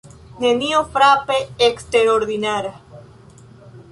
Nenio frape eksterordinara.